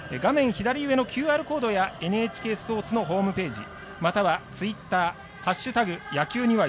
左上のＱＲコードやＮＨＫスポーツのホームページまたはツイッターは「＃